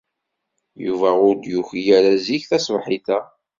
Yuba ur d-yuki ara zik taṣebḥit-a.